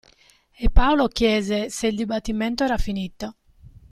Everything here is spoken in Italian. E Paolo chiese se il dibattimento era finito.